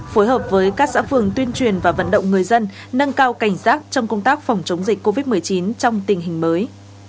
phối hợp với các xã phường tuyên truyền và vận động người dân nâng cao cảnh giác trong công tác phòng chống dịch covid một mươi chín trong tình hình mới